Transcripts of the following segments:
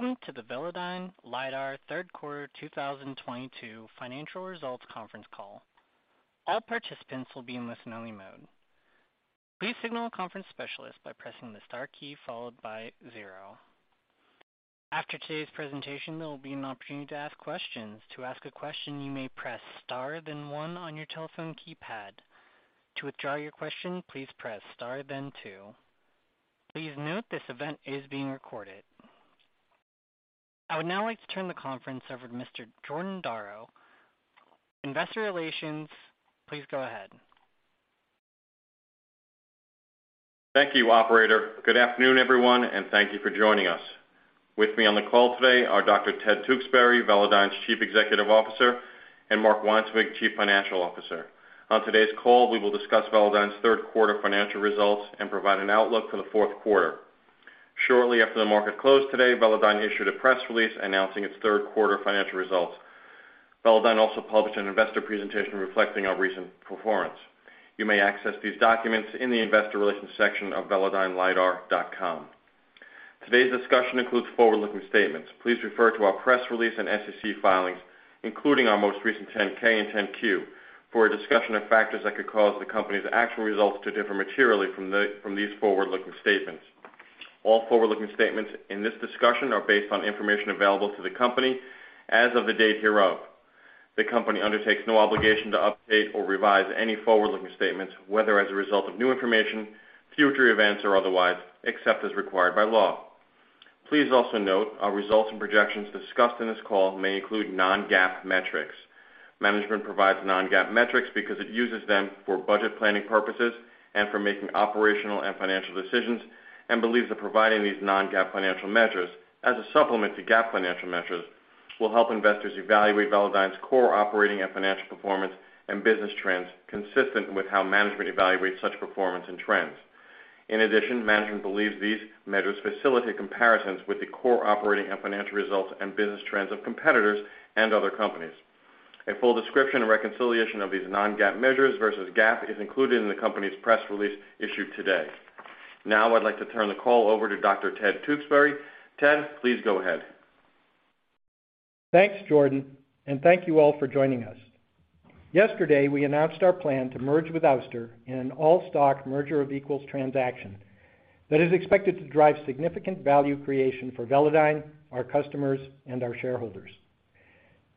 Welcome to the Velodyne Lidar Q3 2022 financial results conference call. All participants will be in listen-only mode. Please signal a conference specialist by pressing the star key followed by zero. After today's presentation, there will be an opportunity to ask questions. To ask a question, you may press star then one on your telephone keypad. To withdraw your question, please press star then two. Please note this event is being recorded. I would now like to turn the conference over to Mr. Jordan Darrow. Investor Relations, please go ahead. Thank you, operator. Good afternoon, everyone, and thank you for joining us. With me on the call today are Dr. Ted Tewksbury, Velodyne's Chief Executive Officer, and Mark Weinswig, Chief Financial Officer. On today's call, we will discuss Velodyne's Q3 financial results and provide an outlook for the Q4. Shortly after the market closed today, Velodyne issued a press release announcing its Q3 financial results. Velodyne also published an investor presentation reflecting our recent performance. You may access these documents in the investor relations section of velodynelidar.com. Today's discussion includes forward-looking statements. Please refer to our press release and SEC filings, including our most recent 10-K and 10-Q, for a discussion of factors that could cause the company's actual results to differ materially from these forward-looking statements. All forward-looking statements in this discussion are based on information available to the company as of the date hereof. The company undertakes no obligation to update or revise any forward-looking statements, whether as a result of new information, future events or otherwise, except as required by law. Please also note our results and projections discussed in this call may include non-GAAP metrics. Management provides non-GAAP metrics because it uses them for budget planning purposes and for making operational and financial decisions, and believes that providing these non-GAAP financial measures as a supplement to GAAP financial measures will help investors evaluate Velodyne's core operating and financial performance and business trends consistent with how management evaluates such performance and trends. In addition, management believes these measures facilitate comparisons with the core operating and financial results and business trends of competitors and other companies. A full description and reconciliation of these non-GAAP measures versus GAAP is included in the company's press release issued today. Now I'd like to turn the call over to Dr. Ted Tewksbury. Ted, please go ahead. Thanks, Jordan, and thank you all for joining us. Yesterday, we announced our plan to merge with Ouster in an all-stock merger of equals transaction that is expected to drive significant value creation for Velodyne, our customers, and our shareholders.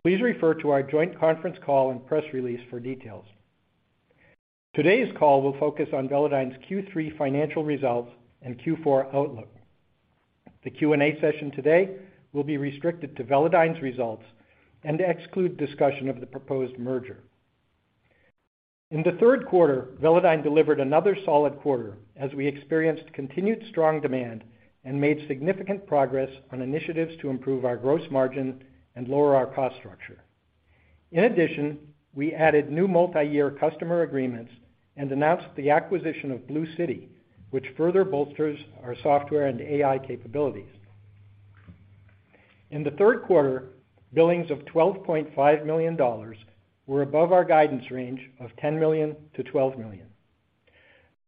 Please refer to our joint conference call and press release for details. Today's call will focus on Velodyne's Q3 financial results and Q4 outlook. The Q&A session today will be restricted to Velodyne's results and exclude discussion of the proposed merger. In the Q3, Velodyne delivered another solid quarter as we experienced continued strong demand and made significant progress on initiatives to improve our gross margin and lower our cost structure. In addition, we added new multi-year customer agreements and announced the acquisition of Bluecity, which further bolsters our software and AI capabilities. In the Q3, billings of $12.5 million were above our guidance range of $10 million-$12 million.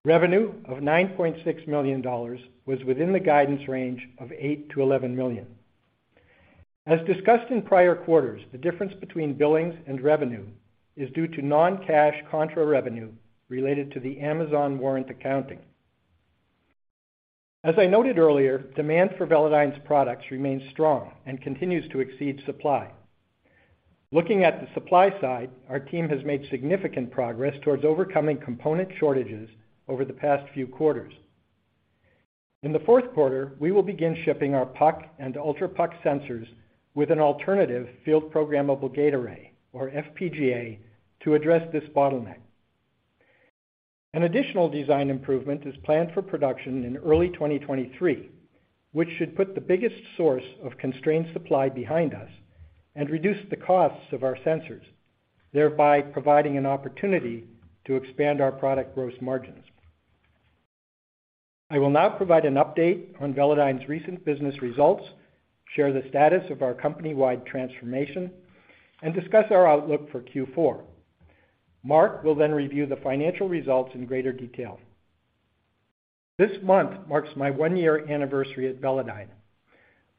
Revenue of $9.6 million was within the guidance range of $8 million-$11 million. As discussed in prior quarters, the difference between billings and revenue is due to non-cash contra revenue related to the Amazon warrant accounting. As I noted earlier, demand for Velodyne's products remains strong and continues to exceed supply. Looking at the supply side, our team has made significant progress towards overcoming component shortages over the past few quarters. In the Q4, we will begin shipping our Puck and Ultra Puck sensors with an alternative field programmable gate array or FPGA to address this bottleneck. An additional design improvement is planned for production in early 2023, which should put the biggest source of constrained supply behind us and reduce the costs of our sensors, thereby providing an opportunity to expand our product gross margins. I will now provide an update on Velodyne's recent business results, share the status of our company-wide transformation, and discuss our outlook for Q4. Mark will then review the financial results in greater detail. This month marks my 1-year anniversary at Velodyne.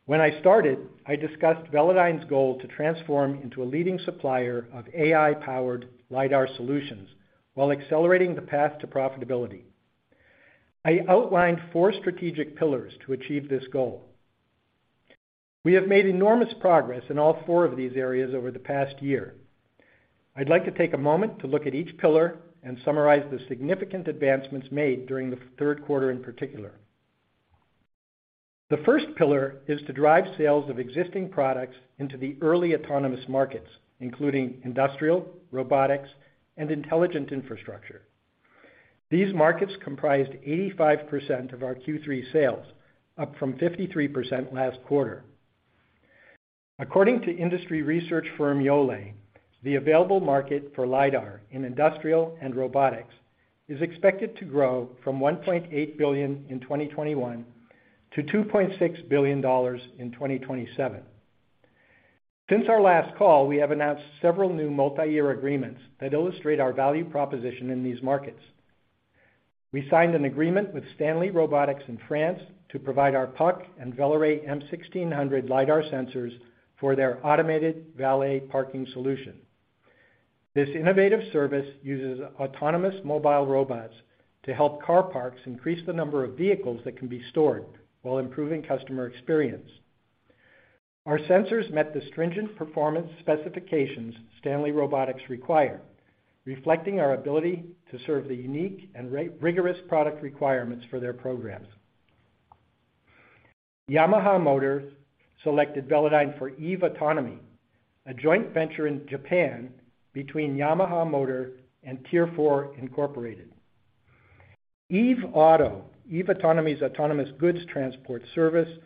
When I started, I discussed Velodyne's goal to transform into a leading supplier of AI-powered lidar solutions while accelerating the path to profitability. I outlined 4 strategic pillars to achieve this goal. We have made enormous progress in all 4 of these areas over the past year. I'd like to take a moment to look at each pillar and summarize the significant advancements made during the Q3 in particular. The first pillar is to drive sales of existing products into the early autonomous markets, including industrial, robotics, and intelligent infrastructure. These markets comprised 85% of our Q3 sales, up from 53% last quarter. According to industry research firm Yole, the available market for lidar in industrial and robotics is expected to grow from $1.8 billion in 2021 to $2.6 billion in 2027. Since our last call, we have announced several new multi-year agreements that illustrate our value proposition in these markets. We signed an agreement with Stanley Robotics in France to provide our Puck and Velarray M1600 lidar sensors for their automated valet parking solution. This innovative service uses autonomous mobile robots to help car parks increase the number of vehicles that can be stored while improving customer experience. Our sensors met the stringent performance specifications Stanley Robotics require, reflecting our ability to serve the unique and rigorous product requirements for their programs. Yamaha Motor selected Velodyne for eve autonomy, a joint venture in Japan between Yamaha Motor and TIER IV. eve auto, eve autonomy's autonomous goods transport service,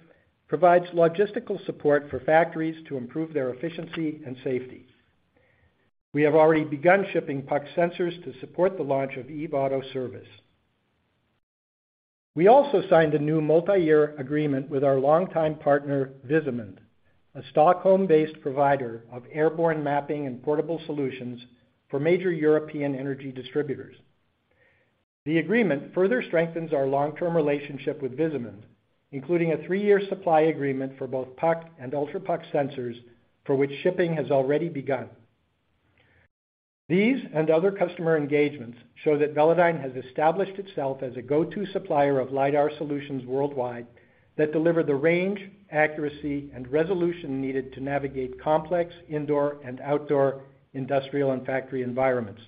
provides logistical support for factories to improve their efficiency and safety. We have already begun shipping Puck sensors to support the launch of eve auto service. We also signed a new multi-year agreement with our long-time partner, Visimind, a Stockholm-based provider of airborne mapping and portable solutions for major European energy distributors. The agreement further strengthens our long-term relationship with Visimind, including a three-year supply agreement for both Puck and Ultra Puck sensors for which shipping has already begun. These and other customer engagements show that Velodyne has established itself as a go-to supplier of lidar solutions worldwide that deliver the range, accuracy, and resolution needed to navigate complex indoor and outdoor industrial and factory environments.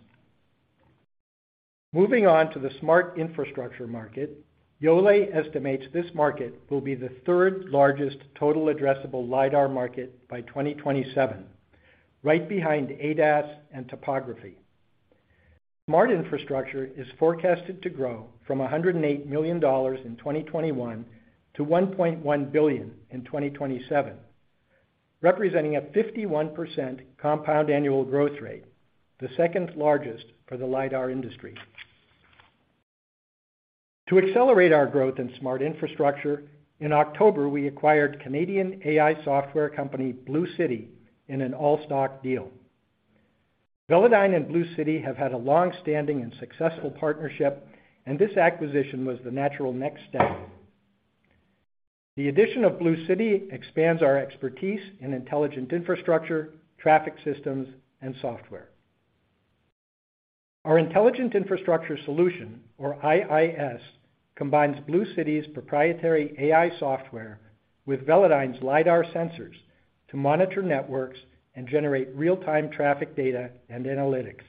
Moving on to the smart infrastructure market, Yole estimates this market will be the third largest total addressable lidar market by 2027, right behind ADAS and topography. Smart infrastructure is forecasted to grow from $108 million in 2021 to $1.1 billion in 2027, representing a 51% compound annual growth rate, the second largest for the lidar industry. To accelerate our growth in smart infrastructure, in October, we acquired Canadian AI software company Bluecity in an all-stock deal. Velodyne and Bluecity have had a long-standing and successful partnership, and this acquisition was the natural next step. The addition of Bluecity expands our expertise in intelligent infrastructure, traffic systems, and software. Our intelligent infrastructure solution, or IIS, combines Bluecity's proprietary AI software with Velodyne's lidar sensors to monitor networks and generate real-time traffic data and analytics.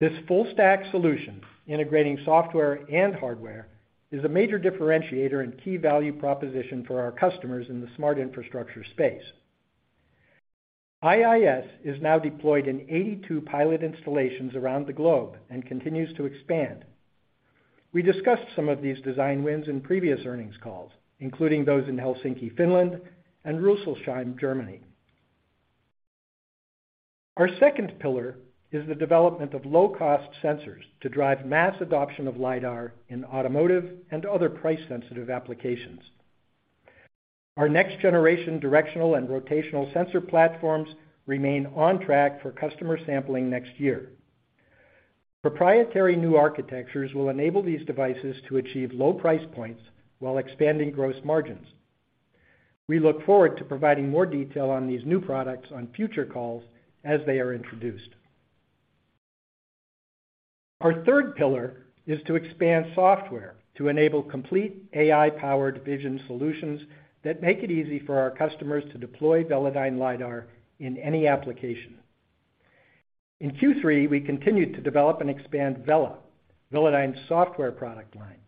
This full stack solution, integrating software and hardware, is a major differentiator and key value proposition for our customers in the smart infrastructure space. IIS is now deployed in 82 pilot installations around the globe and continues to expand. We discussed some of these design wins in previous earnings calls, including those in Helsinki, Finland, and Rüsselsheim, Germany. Our second pillar is the development of low-cost sensors to drive mass adoption of lidar in automotive and other price-sensitive applications. Our next-generation directional and rotational sensor platforms remain on track for customer sampling next year. Proprietary new architectures will enable these devices to achieve low price points while expanding gross margins. We look forward to providing more detail on these new products on future calls as they are introduced. Our third pillar is to expand software to enable complete AI-powered vision solutions that make it easy for our customers to deploy Velodyne Lidar in any application. In Q3, we continued to develop and expand Vella, Velodyne's software product line,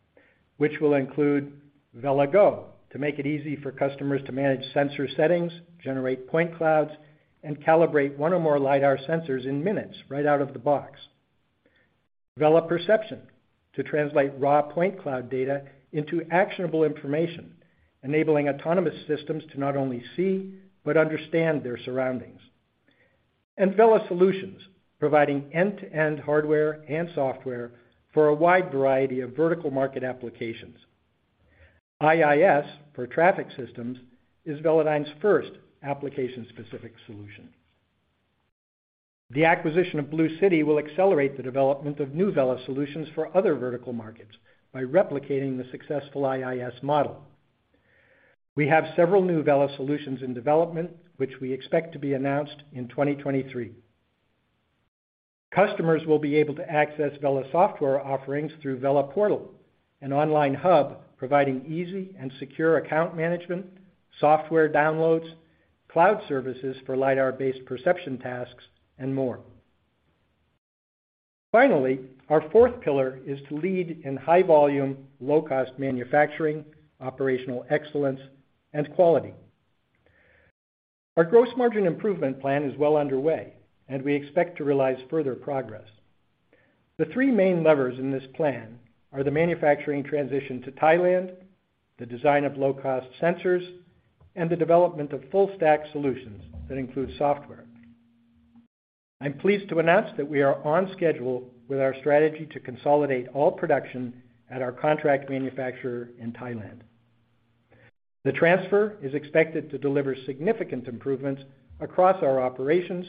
which will include Vella Go to make it easy for customers to manage sensor settings, generate point clouds, and calibrate one or more lidar sensors in minutes right out of the box. Vella Perception to translate raw point cloud data into actionable information, enabling autonomous systems to not only see but understand their surroundings. Vella Solutions, providing end-to-end hardware and software for a wide variety of vertical market applications. IIS for traffic systems is Velodyne's first application-specific solution. The acquisition of Bluecity will accelerate the development of new Vella solutions for other vertical markets by replicating the successful IIS model. We have several new Vella solutions in development, which we expect to be announced in 2023. Customers will be able to access Vella software offerings through Vella Portal, an online hub providing easy and secure account management, software downloads, cloud services for lidar-based perception tasks, and more. Finally, our fourth pillar is to lead in high volume, low-cost manufacturing, operational excellence, and quality. Our gross margin improvement plan is well underway, and we expect to realize further progress. The three main levers in this plan are the manufacturing transition to Thailand, the design of low-cost sensors, and the development of full stack solutions that include software. I'm pleased to announce that we are on schedule with our strategy to consolidate all production at our contract manufacturer in Thailand. The transfer is expected to deliver significant improvements across our operations,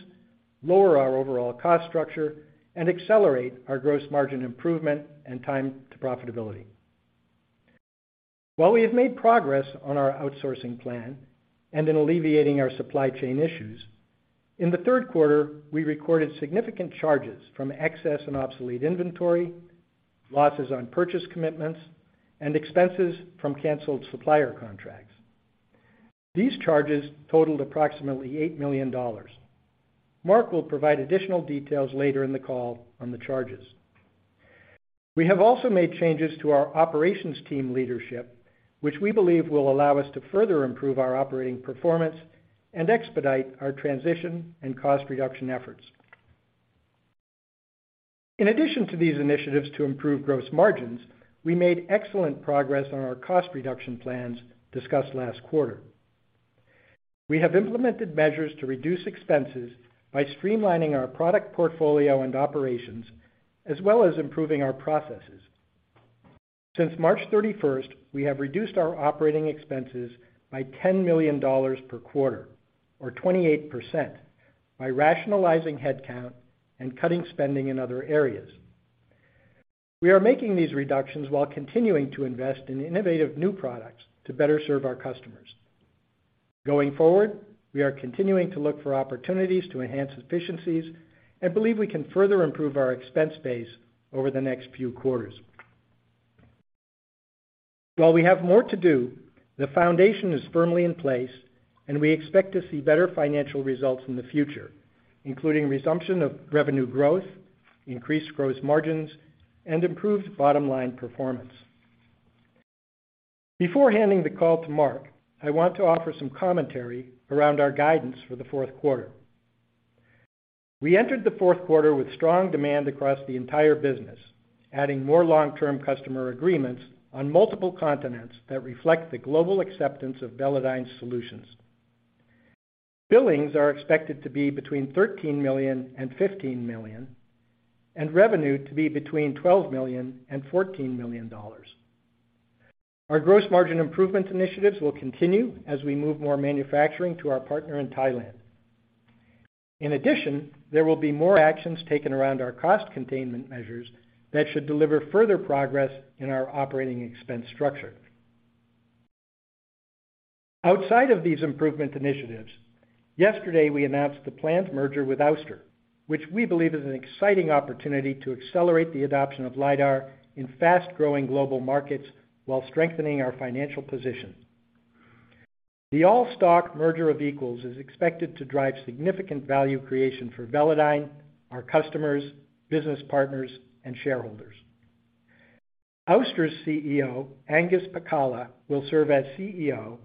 lower our overall cost structure, and accelerate our gross margin improvement and time to profitability. While we have made progress on our outsourcing plan and in alleviating our supply chain issues, in the Q3, we recorded significant charges from excess and obsolete inventory, losses on purchase commitments, and expenses from canceled supplier contracts. These charges totaled approximately $8 million. Mark will provide additional details later in the call on the charges. We have also made changes to our operations team leadership, which we believe will allow us to further improve our operating performance and expedite our transition and cost reduction efforts. In addition to these initiatives to improve gross margins, we made excellent progress on our cost reduction plans discussed last quarter. We have implemented measures to reduce expenses by streamlining our product portfolio and operations, as well as improving our processes. Since March 31st, we have reduced our operating expenses by $10 million per quarter, or 28%, by rationalizing headcount and cutting spending in other areas. We are making these reductions while continuing to invest in innovative new products to better serve our customers. Going forward, we are continuing to look for opportunities to enhance efficiencies and believe we can further improve our expense base over the next few quarters. While we have more to do, the foundation is firmly in place and we expect to see better financial results in the future, including resumption of revenue growth, increased gross margins, and improved bottom-line performance. Before handing the call to Mark, I want to offer some commentary around our guidance for the Q4. We entered the Q4 with strong demand across the entire business, adding more long-term customer agreements on multiple continents that reflect the global acceptance of Velodyne's solutions. Billings are expected to be between $13 million and $15 million, and revenue to be between $12 million and $14 million. Our gross margin improvement initiatives will continue as we move more manufacturing to our partner in Thailand. In addition, there will be more actions taken around our cost containment measures that should deliver further progress in our operating expense structure. Outside of these improvement initiatives, yesterday, we announced the planned merger with Ouster, which we believe is an exciting opportunity to accelerate the adoption of lidar in fast-growing global markets while strengthening our financial position. The all-stock merger of equals is expected to drive significant value creation for Velodyne, our customers, business partners, and shareholders. Ouster's CEO, Angus Pacala, will serve as CEO,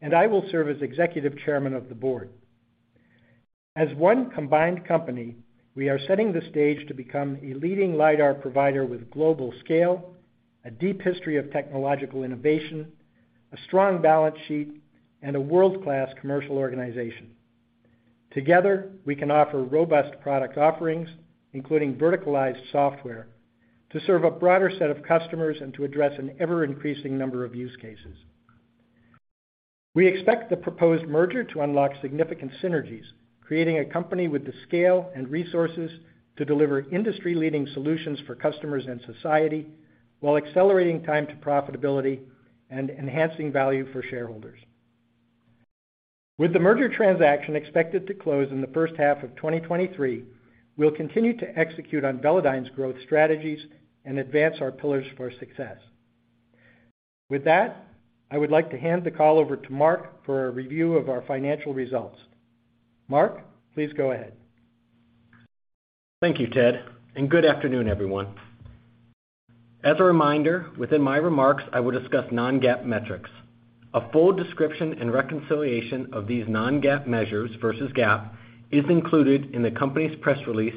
and I will serve as executive chairman of the board. As one combined company, we are setting the stage to become a leading lidar provider with global scale, a deep history of technological innovation, a strong balance sheet, and a world-class commercial organization. Together, we can offer robust product offerings, including verticalized software to serve a broader set of customers and to address an ever-increasing number of use cases. We expect the proposed merger to unlock significant synergies, creating a company with the scale and resources to deliver industry-leading solutions for customers and society while accelerating time to profitability and enhancing value for shareholders. With the merger transaction expected to close in the H1 of 2023, we'll continue to execute on Velodyne's growth strategies and advance our pillars for success. With that, I would like to hand the call over to Mark for a review of our financial results. Mark, please go ahead. Thank you, Ted, and good afternoon, everyone. As a reminder, within my remarks, I will discuss non-GAAP metrics. A full description and reconciliation of these non-GAAP measures versus GAAP is included in the company's press release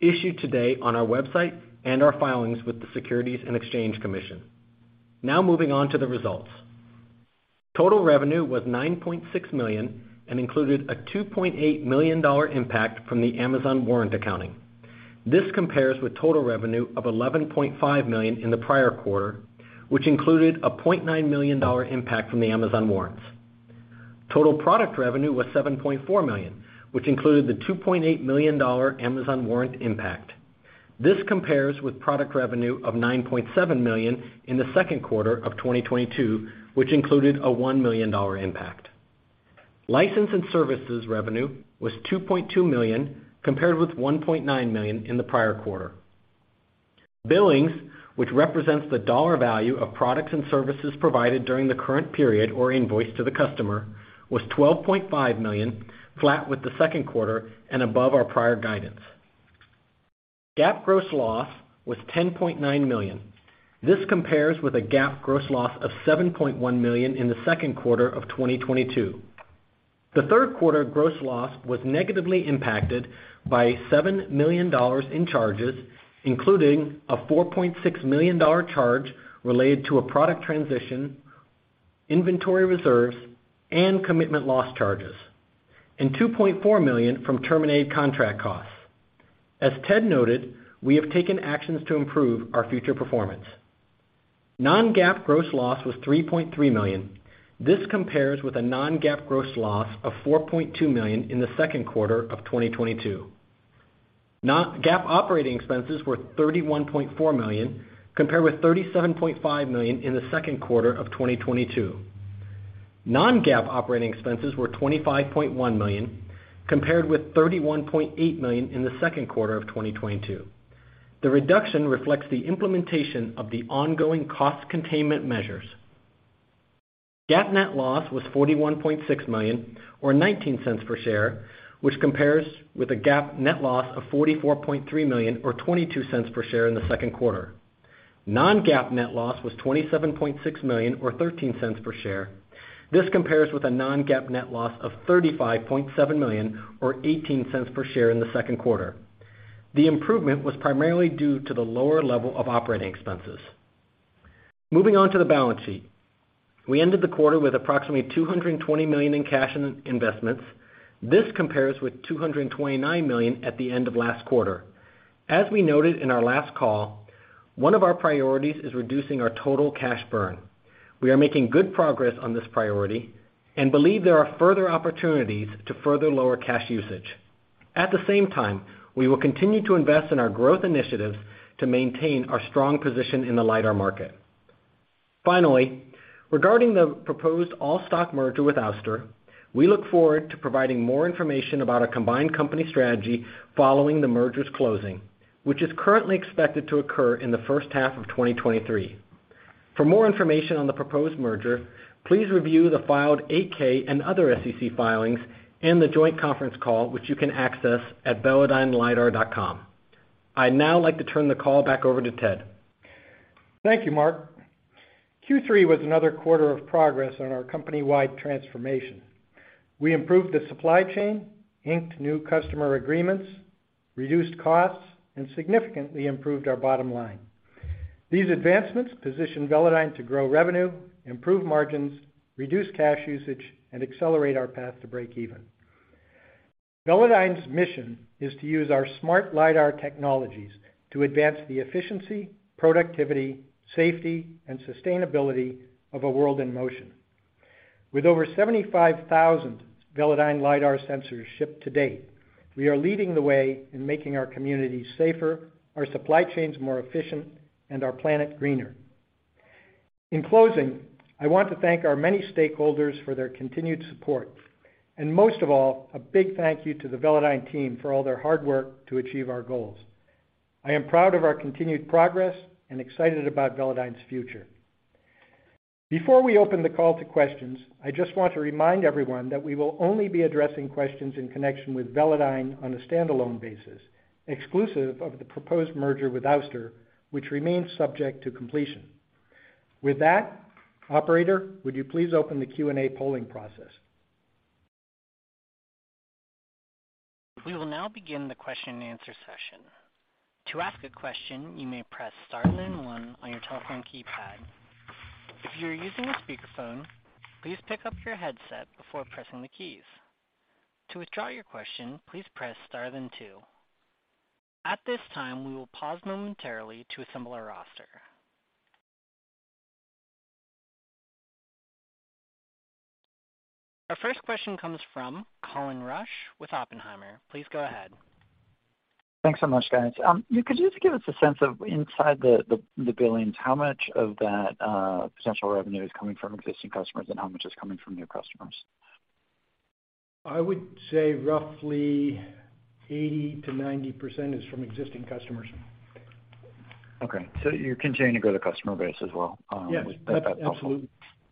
issued today on our website and our filings with the Securities and Exchange Commission. Now moving on to the results. Total revenue was $9.6 million and included a $2.8 million impact from the Amazon warrant accounting. This compares with total revenue of $11.5 million in the prior quarter, which included a $0.9 million impact from the Amazon warrants. Total product revenue was $7.4 million, which included the $2.8 million Amazon warrant impact. This compares with product revenue of $9.7 million in the Q2 of 2022, which included a $1 million impact. License and services revenue was $2.2 million, compared with $1.9 million in the prior quarter. Billings, which represents the dollar value of products and services provided during the current period or invoiced to the customer, was $12.5 million, flat with the Q2 and above our prior guidance. GAAP gross loss was $10.9 million. This compares with a GAAP gross loss of $7.1 million in the Q2 of 2022. The Q3 gross loss was negatively impacted by $7 million in charges, including a $4.6 million charge related to a product transition, inventory reserves and commitment loss charges, and $2.4 million from terminated contract costs. As Ted noted, we have taken actions to improve our future performance. non-GAAP gross loss was $3.3 million. This compares with a non-GAAP gross loss of $4.2 million in the Q2 of 2022. Non-GAAP operating expenses were $31.4 million, compared with $37.5 million in the Q2 of 2022. Non-GAAP operating expenses were $25.1 million, compared with $31.8 million in the Q2 of 2022. The reduction reflects the implementation of the ongoing cost containment measures. GAAP net loss was $41.6 million or $0.19 per share, which compares with a GAAP net loss of $44.3 million or $0.22 per share in the Q2. Non-GAAP net loss was $27.6 million or $0.13 per share. This compares with a non-GAAP net loss of $35.7 million or $0.18 per share in the Q2. The improvement was primarily due to the lower level of operating expenses. Moving on to the balance sheet. We ended the quarter with approximately $220 million in cash and investments. This compares with $229 million at the end of last quarter. As we noted in our last call, one of our priorities is reducing our total cash burn. We are making good progress on this priority and believe there are further opportunities to further lower cash usage. At the same time, we will continue to invest in our growth initiatives to maintain our strong position in the lidar market. Finally, regarding the proposed all-stock merger with Ouster, we look forward to providing more information about a combined company strategy following the merger's closing, which is currently expected to occur in the H1 of 2023. For more information on the proposed merger, please review the filed 8-K and other SEC filings and the joint conference call, which you can access at velodynelidar.com. I'd now like to turn the call back over to Ted. Thank you, Mark. Q3 was another quarter of progress on our company-wide transformation. We improved the supply chain, inked new customer agreements, reduced costs, and significantly improved our bottom line. These advancements position Velodyne to grow revenue, improve margins, reduce cash usage, and accelerate our path to break even. Velodyne's mission is to use our smart lidar technologies to advance the efficiency, productivity, safety, and sustainability of a world in motion. With over 75,000 Velodyne lidar sensors shipped to date, we are leading the way in making our communities safer, our supply chains more efficient, and our planet greener. In closing, I want to thank our many stakeholders for their continued support and most of all, a big thank you to the Velodyne team for all their hard work to achieve our goals. I am proud of our continued progress and excited about Velodyne's future. Before we open the call to questions, I just want to remind everyone that we will only be addressing questions in connection with Velodyne on a standalone basis, exclusive of the proposed merger with Ouster, which remains subject to completion. With that, operator, would you please open the Q&A polling process? We will now begin the question and answer session. To ask a question, you may press star then one on your telephone keypad. If you're using a speakerphone, please pick up your headset before pressing the keys. To withdraw your question, please press star then two. At this time, we will pause momentarily to assemble our roster. Our first question comes from Colin Rusch with Oppenheimer. Please go ahead. Thanks so much, guys. Could you just give us a sense of inside the billions, how much of that potential revenue is coming from existing customers and how much is coming from new customers? I would say roughly 80%-90% is from existing customers. Okay. You're continuing to grow the customer base as well. Yes. That's helpful.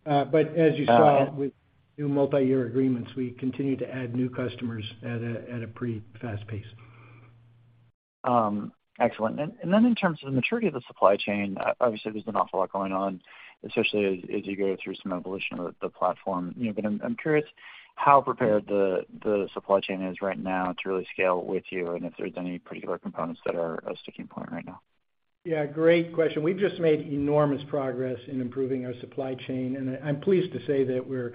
Absolutely. As you saw with new multi-year agreements, we continue to add new customers at a pretty fast pace. Excellent. Then in terms of the maturity of the supply chain, obviously there's an awful lot going on, especially as you go through some evolution of the platform, you know. I'm curious how prepared the supply chain is right now to really scale with you and if there's any particular components that are a sticking point right now. Yeah, great question. We've just made enormous progress in improving our supply chain, and I'm pleased to say that we're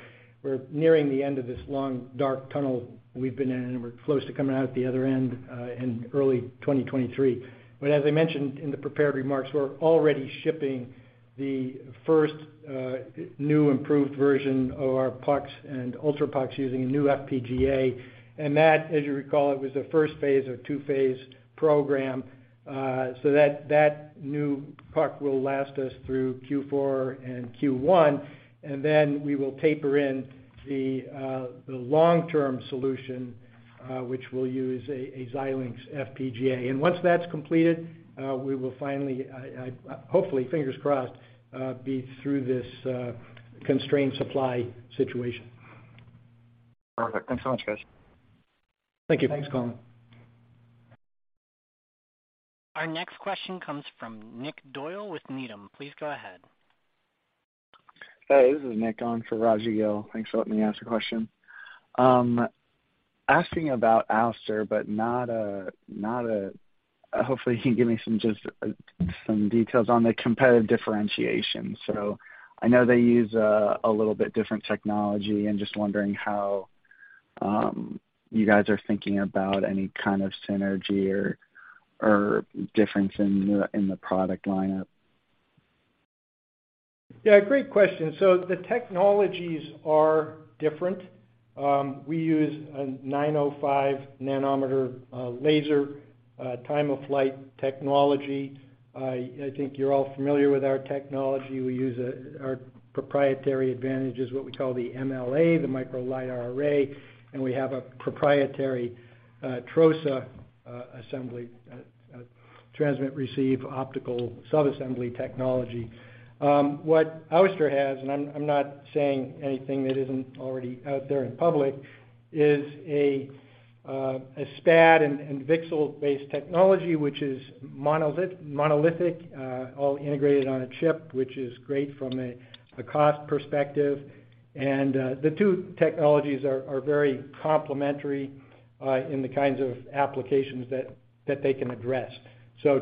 nearing the end of this long, dark tunnel we've been in, and we're close to coming out at the other end in early 2023. As I mentioned in the prepared remarks, we're already shipping the first new improved version of our pucks and Ultra Pucks using a new FPGA. That, as you recall, it was the first phase of a two-phase program. So that new puck will last us through Q4 and Q1, and then we will taper in the long-term solution, which we'll use a Xilinx FPGA. Once that's completed, we will finally hopefully, fingers crossed, be through this constrained supply situation. Perfect. Thanks so much, guys. Thank you. Thanks, Colin. Our next question comes from Nick Doyle with Needham. Please go ahead. Hey, this is Nick on for Rajvinder Gill. Thanks for letting me ask a question. Asking about Ouster. Hopefully you can give me some details on the competitive differentiation. I know they use a little bit different technology. I'm just wondering how you guys are thinking about any kind of synergy or difference in the product lineup. Yeah, great question. The technologies are different. We use a 905 nanometer laser time of flight technology. I think you're all familiar with our technology. We use our proprietary advantage is what we call the MLA, the Micro Lidar Array, and we have a proprietary TROSA assembly transmit receive optical sub-assembly technology. What Ouster has, and I'm not saying anything that isn't already out there in public, is a SPAD and VCSEL-based technology, which is monolithic all integrated on a chip, which is great from a cost perspective. The two technologies are very complementary in the kinds of applications that they can address.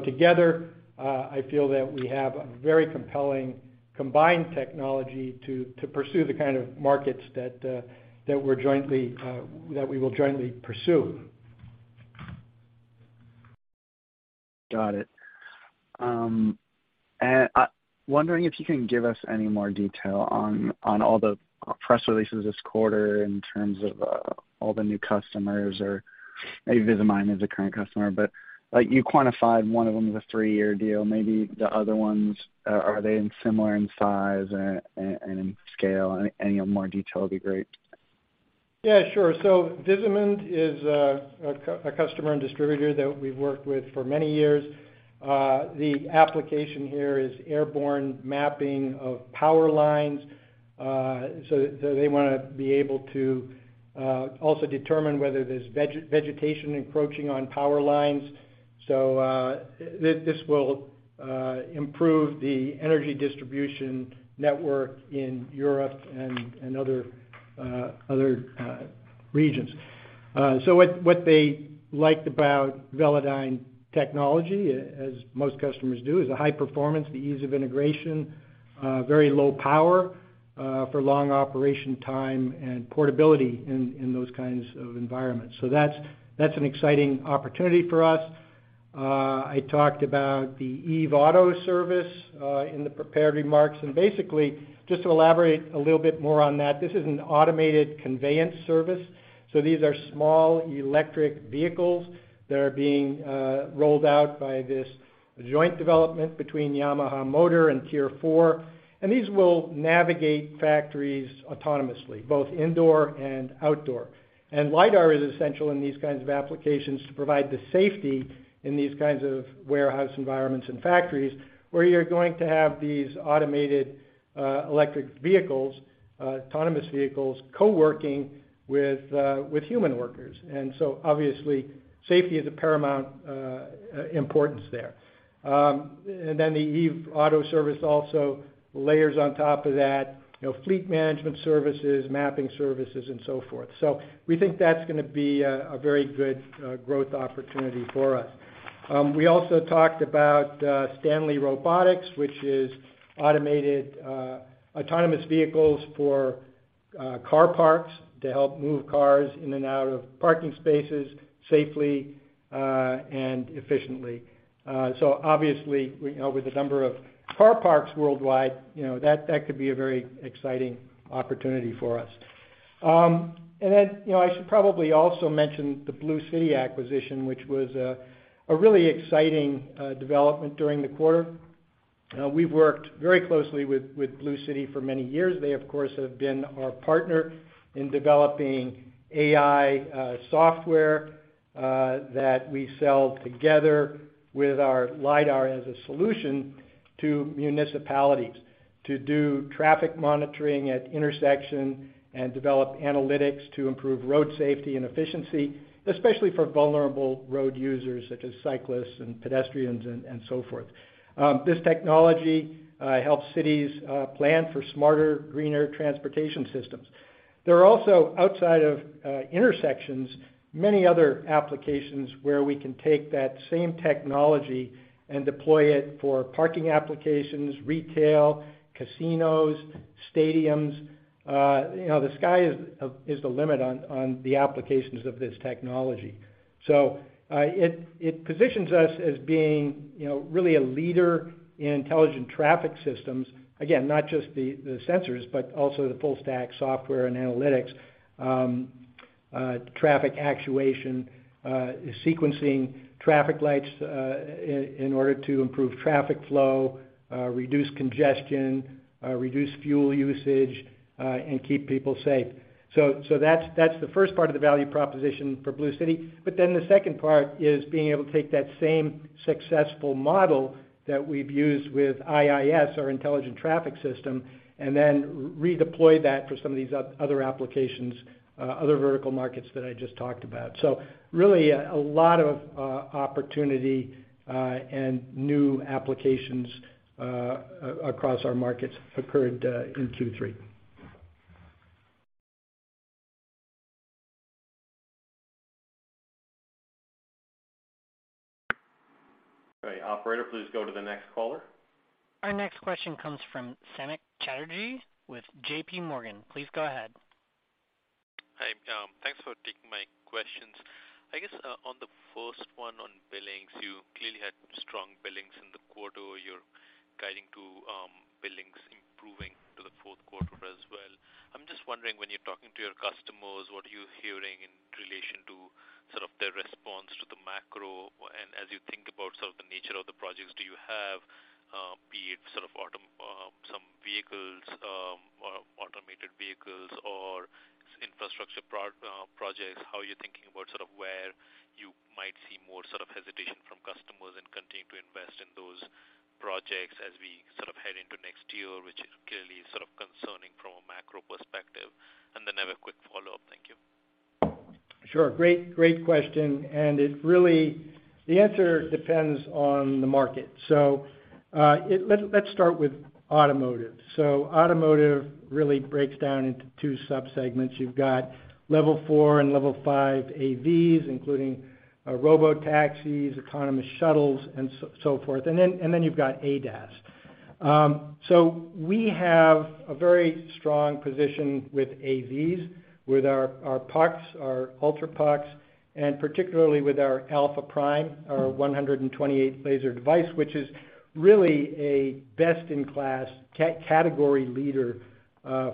Together, I feel that we have a very compelling combined technology to pursue the kind of markets that we will jointly pursue. Got it. Wondering if you can give us any more detail on all the press releases this quarter in terms of all the new customers or maybe Visimind as a current customer. Like, you quantified one of them as a three-year deal. Maybe the other ones are they similar in size and in scale? Any more detail would be great. Yeah, sure. Visimind is a customer and distributor that we've worked with for many years. The application here is airborne mapping of power lines. They wanna be able to also determine whether there's vegetation encroaching on power lines. This will improve the energy distribution network in Europe and other regions. What they liked about Velodyne technology, as most customers do, is the high performance, the ease of integration, very low power for long operation time and portability in those kinds of environments. That's an exciting opportunity for us. I talked about the eve auto service in the prepared remarks. Basically, just to elaborate a little bit more on that, this is an automated conveyance service. These are small electric vehicles that are being rolled out by this joint development between Yamaha Motor and Tier IV. These will navigate factories autonomously, both indoor and outdoor. Lidar is essential in these kinds of applications to provide the safety in these kinds of warehouse environments and factories, where you're going to have these automated electric vehicles autonomous vehicles coworking with human workers. Obviously, safety is of paramount importance there. Then the eve auto service also layers on top of that, you know, fleet management services, mapping services, and so forth. We think that's gonna be a very good growth opportunity for us. We also talked about Stanley Robotics, which is automated autonomous vehicles for car parks to help move cars in and out of parking spaces safely and efficiently. Obviously, you know, with the number of car parks worldwide, you know, that could be a very exciting opportunity for us. You know, I should probably also mention the Bluecity acquisition, which was a really exciting development during the quarter. We've worked very closely with Bluecity for many years. They, of course, have been our partner in developing AI software that we sell together with our lidar as a solution to municipalities to do traffic monitoring at intersections and develop analytics to improve road safety and efficiency, especially for vulnerable road users such as cyclists and pedestrians and so forth. This technology helps cities plan for smarter, greener transportation systems. There are also, outside of intersections, many other applications where we can take that same technology and deploy it for parking applications, retail, casinos, stadiums. You know, the sky is the limit on the applications of this technology. It positions us as being, you know, really a leader in intelligent traffic systems, again, not just the sensors, but also the full stack software and analytics, traffic actuation, sequencing traffic lights, in order to improve traffic flow, reduce congestion, reduce fuel usage, and keep people safe. That's the first part of the value proposition for Bluecity. The second part is being able to take that same successful model that we've used with ITS, our intelligent traffic system, and then redeploy that for some of these other applications, other vertical markets that I just talked about. Really, a lot of opportunity and new applications across our markets occurred in Q3. Operator, please go to the next caller. Our next question comes from Samik Chatterjee with J.P. Morgan. Please go ahead. Hi. Thanks for taking my questions. I guess on the first one on billings, you clearly had strong billings in the quarter. You're guiding to billings improving to the Q4 as well. I'm just wondering, when you're talking to your customers, what are you hearing in relation to sort of their response to the macro? As you think about sort of the nature of the projects, do you have be it sort of some vehicles or automated vehicles or infrastructure projects, how are you thinking about sort of where you might see more sort of hesitation from customers and continue to invest in those projects as we sort of head into next year, which is clearly sort of concerning from a macro perspective? I have a quick follow-up. Thank you. Sure. Great question. The answer depends on the market. Let's start with automotive. Automotive really breaks down into two subsegments. You've got level 4 and level 5 AVs, including robotaxis, autonomous shuttles, and so forth. You've got ADAS. We have a very strong position with AVs, with our Pucks, our Ultra Pucks, and particularly with our Alpha Prime, our 128 laser device, which is really a best-in-class category leader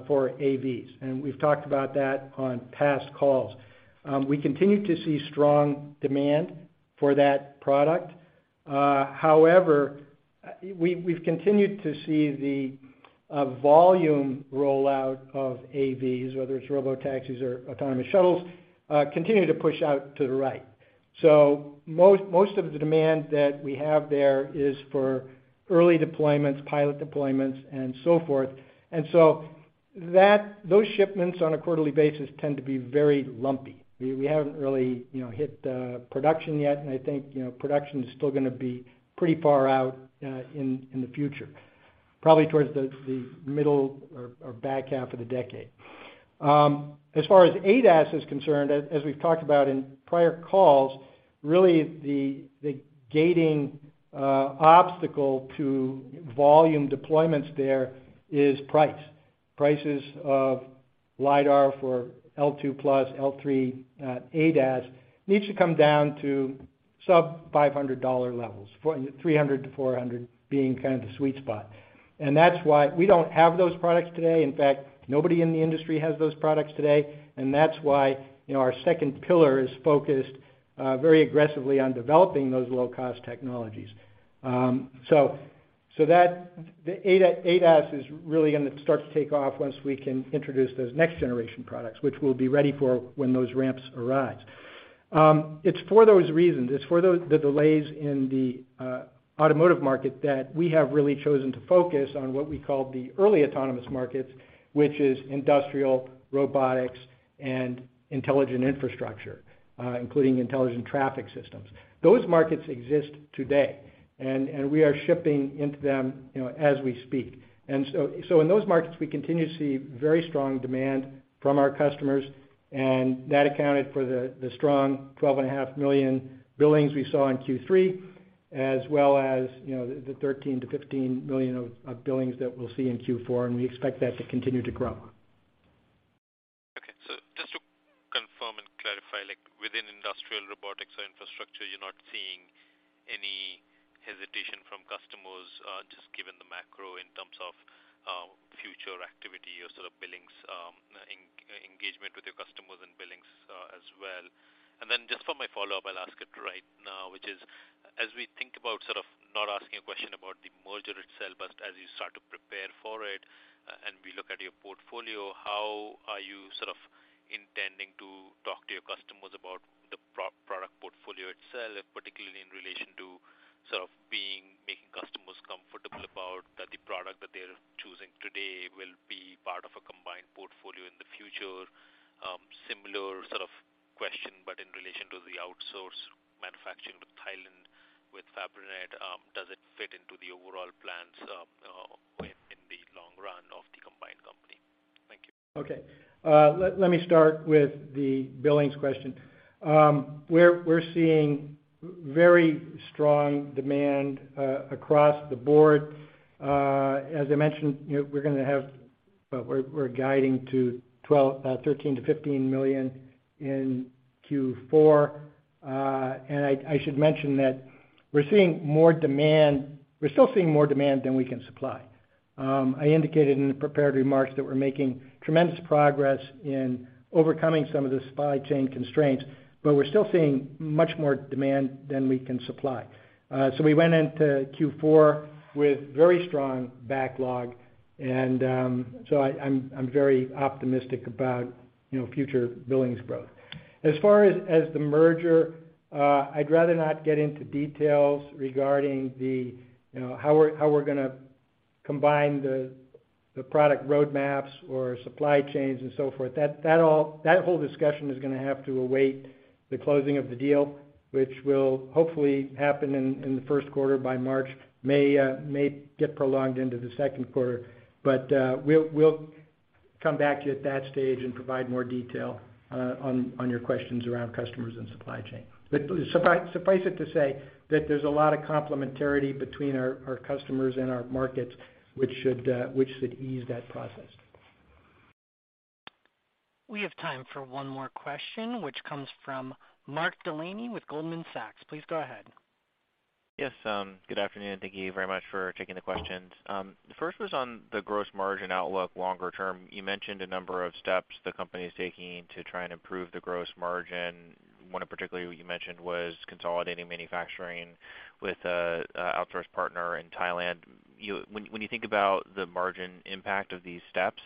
for AVs. We've talked about that on past calls. We continue to see strong demand for that product. However, we've continued to see the volume rollout of AVs, whether it's robotaxis or autonomous shuttles, continue to push out to the right. Most of the demand that we have there is for early deployments, pilot deployments, and so forth. Those shipments on a quarterly basis tend to be very lumpy. We haven't really, you know, hit production yet, and I think, you know, production is still gonna be pretty far out in the future, probably towards the middle or back half of the decade. As far as ADAS is concerned, as we've talked about in prior calls, really the gating obstacle to volume deployments there is price. Prices of lidar for L2 plus, L3 ADAS needs to come down to sub-$500 levels, $300-$400 being kind of the sweet spot. That's why we don't have those products today. In fact, nobody in the industry has those products today. That's why, you know, our second pillar is focused very aggressively on developing those low-cost technologies. The ADAS is really gonna start to take off once we can introduce those next generation products, which we'll be ready for when those ramps arrive. It's for those reasons, it's for the delays in the automotive market that we have really chosen to focus on what we call the early autonomous markets, which is industrial, robotics, and intelligent infrastructure, including intelligent traffic systems. Those markets exist today, and we are shipping into them, you know, as we speak. In those markets, we continue to see very strong demand from our customers, and that accounted for the strong $12.5 million billings we saw in Q3, as well as, you know, the 13-15 million of billings that we'll see in Q4, and we expect that to continue to grow. Okay. Just to confirm and clarify, like within industrial robotics or infrastructure, you're not seeing any hesitation from customers, just given the macro in terms of, future activity or sort of billings, engagement with your customers and billings, as well. Just for my follow-up, I'll ask it right now, which is, as we think about sort of not asking a question about the merger itself, but as you start to prepare for it and we look at your portfolio, how are you sort of intending to talk to your customers about the product portfolio itself, particularly in relation to sort of being, making customers comfortable about that the product that they're choosing today will be part of a combined portfolio in the future? Similar sort of question, but in relation to the outsource manufacturing with Thailand, with Fabrinet, does it fit into the overall plans, in the long run of the combined company? Thank you. Let me start with the billings question. We're seeing very strong demand across the board. As I mentioned, you know, we're guiding to $13 million-$15 million in Q4. And I should mention that we're still seeing more demand than we can supply. I indicated in the prepared remarks that we're making tremendous progress in overcoming some of the supply chain constraints, but we're still seeing much more demand than we can supply. We went into Q4 with very strong backlog and so I'm very optimistic about, you know, future billings growth. As far as the merger, I'd rather not get into details regarding the, you know, how we're gonna combine the product roadmaps or supply chains and so forth. That whole discussion is gonna have to await the closing of the deal, which will hopefully happen in the Q1 by March. It may get prolonged into the Q2. We'll come back to you at that stage and provide more detail on your questions around customers and supply chain. Suffice it to say that there's a lot of complementarity between our customers and our markets, which should ease that process. We have time for one more question, which comes from Mark Delaney with Goldman Sachs. Please go ahead. Yes, good afternoon. Thank you very much for taking the questions. The first was on the gross margin outlook longer term. You mentioned a number of steps the company is taking to try and improve the gross margin. One in particular you mentioned was consolidating manufacturing with outsourced partner in Thailand. When you think about the margin impact of these steps,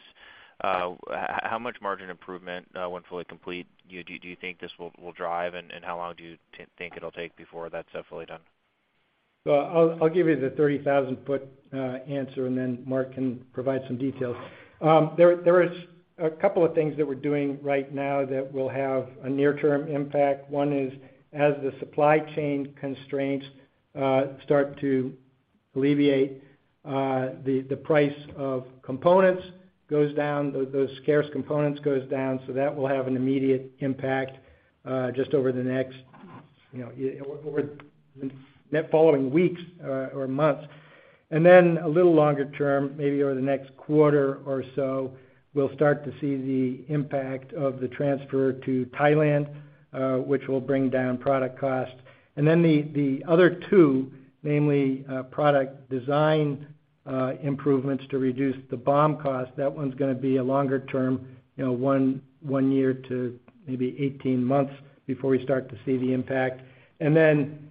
how much margin improvement, when fully complete, do you think this will drive? How long do you think it'll take before that's fully done? Well, I'll give you the 30,000-foot answer, and then Mark can provide some details. There is a couple of things that we're doing right now that will have a near-term impact. One is, as the supply chain constraints start to alleviate, the price of components goes down, those scarce components goes down. That will have an immediate impact, just over the next, you know, over the following weeks or months. Then a little longer term, maybe over the next quarter or so, we'll start to see the impact of the transfer to Thailand, which will bring down product cost. Then the other two, namely, product design improvements to reduce the BOM cost. That one's gonna be a longer term, you know, 1 year to maybe 18 months before we start to see the impact. Then,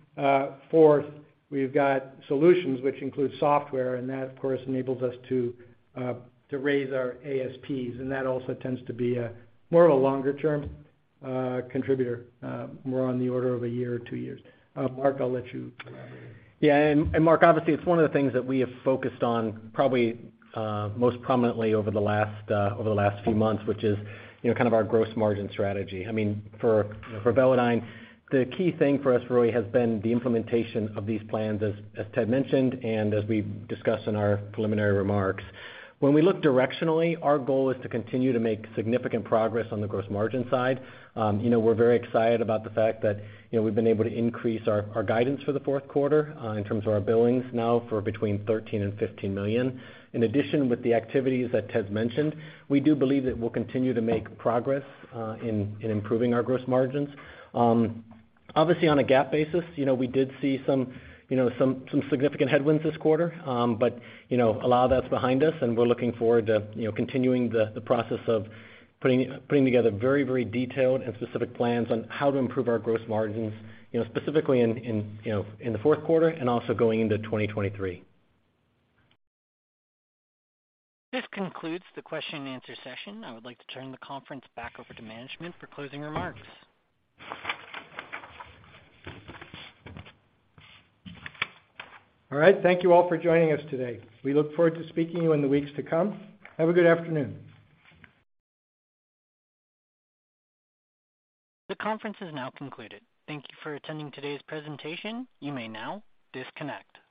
fourth, we've got solutions which include software, and that, of course, enables us to raise our ASPs. That also tends to be more of a longer term contributor, more on the order of 1 year or 2 years. Mark, I'll let you elaborate. Yeah. Mark, obviously it's one of the things that we have focused on probably most prominently over the last few months, which is, you know, kind of our gross margin strategy. I mean, for Velodyne, the key thing for us really has been the implementation of these plans as Ted mentioned, and as we discussed in our preliminary remarks. When we look directionally, our goal is to continue to make significant progress on the gross margin side. You know, we're very excited about the fact that, you know, we've been able to increase our guidance for the Q4 in terms of our billings now for between $13 million and $15 million. In addition, with the activities that Ted's mentioned, we do believe that we'll continue to make progress in improving our gross margins. Obviously on a GAAP basis, you know, we did see some significant headwinds this quarter. A lot of that's behind us and we're looking forward to, you know, continuing the process of putting together very detailed and specific plans on how to improve our gross margins, you know, specifically in the Q4 and also going into 2023. This concludes the question and answer session. I would like to turn the conference back over to management for closing remarks. All right. Thank you all for joining us today. We look forward to speaking to you in the weeks to come. Have a good afternoon. The conference is now concluded. Thank you for attending today's presentation. You may now disconnect.